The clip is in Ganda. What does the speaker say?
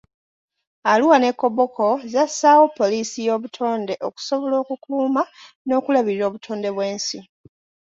Arua ne Koboko zassaawo poliisi y'obutonde okusobola okukuuma n'okulabirira obutonde bw'ensi.